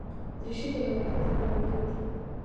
دریشي د معرفت ښکارندوی ده.